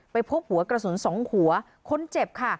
พบหัวกระสุนสองหัวคนเจ็บค่ะ